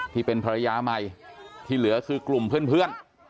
ที่เป็นภรรยาใหม่ที่เหลือคือกลุ่มเพื่อน